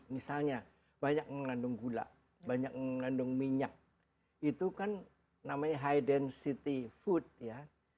misalnya banyak mengandung gula banyak mengandung minyak itu kan namanya high density food ya